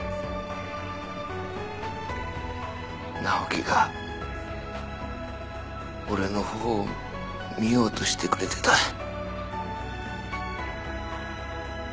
直樹が俺の方を見ようとしてくれてた。